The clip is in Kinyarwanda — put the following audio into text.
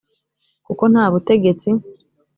kuko nta butegetsi